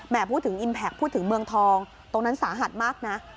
พูดถึงอิมแพคพูดถึงเมืองทองตรงนั้นสาหัสมากนะ